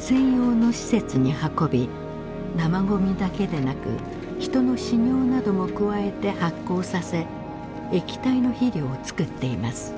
専用の施設に運び生ゴミだけでなく人の屎尿なども加えて発酵させ液体の肥料を作っています。